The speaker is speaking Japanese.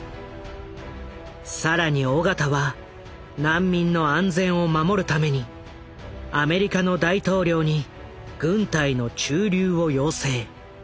更に緒方は難民の安全を守るためにアメリカの大統領に軍隊の駐留を要請。